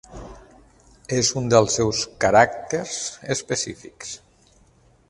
És un dels seus caràcters específics.